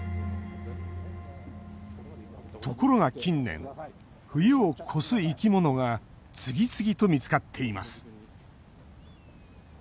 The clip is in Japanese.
ところが近年、冬を越す生き物が次々と見つかっています。